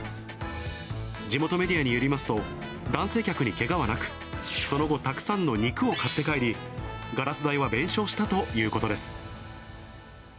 地元メディアによりますと、男性客にけがはなく、その後、たくさんの肉を買って帰り、ガラス代は弁償したということです。